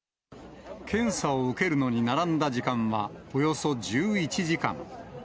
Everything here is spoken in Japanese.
検査を受けるのに並んだ時間はおよそ１１時間。